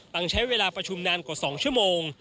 ใช้เวลาประชุมนานกว่า๒ชั่วโมง